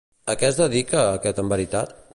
A què es dedica aquest en veritat?